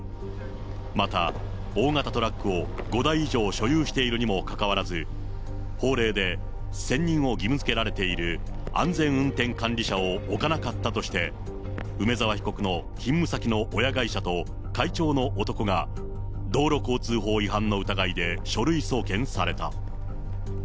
また、大型トラックを５台以上所有しているにもかかわらず、法令で専任を義務づけられている安全運転管理者を置かなかったとして、梅沢被告の勤務先の親会社と会長の男が、道路交通法違反の疑いで書類送検された。